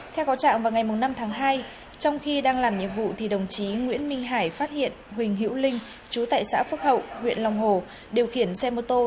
theo có trạng vào ngày năm tháng hai trong khi đang làm nhiệm vụ thì đồng chí nguyễn minh hải phát hiện huỳnh hữu linh chú tại xã phước hậu huyện long hồ điều khiển xe mô tô